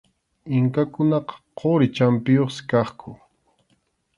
Inkakunaqa quri champiyuqsi kaqku.